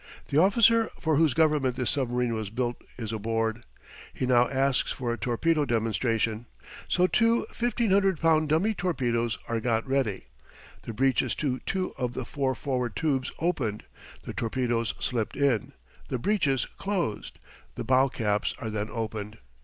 The officer for whose government this submarine was built is aboard. He now asks for a torpedo demonstration. So two 1,500 pound dummy torpedoes are got ready, the breeches to two of the four forward tubes opened, the torpedoes slipped in, the breeches closed. The bow caps are then opened.